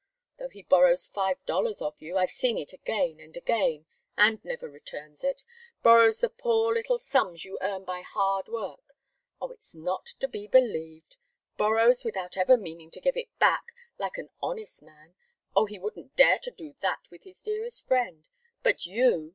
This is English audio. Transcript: Though he borrows five dollars of you I've seen it again and again and never returns it borrows the poor little sums you earn by hard work! Oh, it's not to be believed! Borrows without ever meaning to give it back like an honest man oh, he wouldn't dare to do that with his dearest friend. But you!